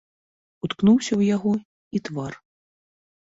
Уткнуўся ў яго і твар.